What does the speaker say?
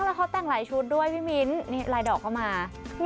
แล้วเขาแต่งหลายชุดด้วยพี่มิ้นนี่ลายดอกเข้ามา